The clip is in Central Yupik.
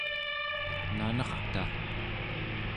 nanerta